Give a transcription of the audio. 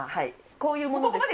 こういうものです。